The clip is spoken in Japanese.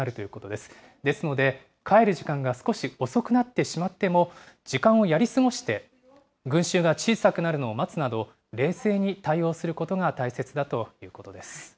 ですので、帰る時間が少し遅くなってしまっても、時間をやり過ごして、群衆が小さくなるのを待つなど、冷静に対応することが大切だということです。